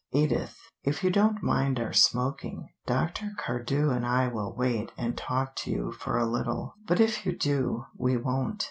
Edith, if you don't mind our smoking, Dr. Cardew and I will wait and talk to you for a little, but if you do, we won't."